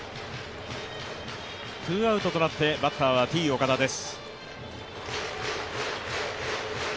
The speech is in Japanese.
ツーアウトとなって、バッターはＴ−岡田です。